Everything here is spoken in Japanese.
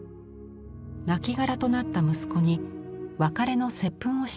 なきがらとなった息子に別れの接吻をしているのです。